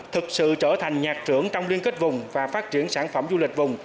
thực sự trở thành nhạc trưởng trong liên kết vùng và phát triển sản phẩm du lịch vùng